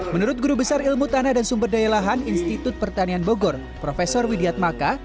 menurut guru besar ilmu tanah dan sumber daya lahan institut pertanian bogor prof widiat maka